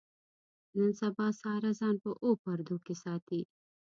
نن سبا ساره ځان په اوو پردو کې ساتي.